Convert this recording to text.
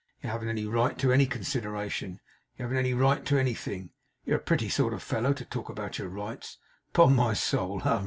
'You haven't a right to any consideration. You haven't a right to anything. You're a pretty sort of fellow to talk about your rights, upon my soul! Ha, ha!